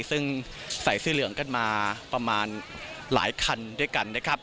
ซึ่งใส่เสื้อเหลืองกันมาประมาณหลายคันด้วยกันนะครับ